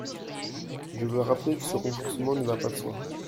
Je veux rappeler que ce renforcement ne va pas de soi.